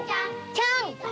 「ちゃん」。